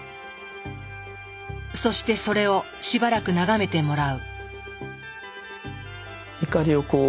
そしてそれをしばらく眺めてもらう。